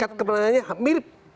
tiket keberaniannya mirip